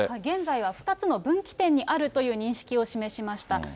現在は２つの分岐点にあるという認識を示しました。